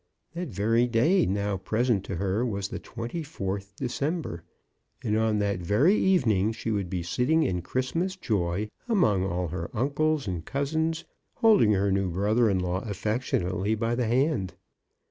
That very day now present to her was the 24th December, and on that very evening she would be sitting in Christmas joy among all her uncles and cousins, holding her new brother in law affec tionately by the hand.